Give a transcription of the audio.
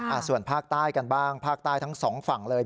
ส่วนภาคใต้กันบ้างภาคใต้ทั้งสองฝั่งเลย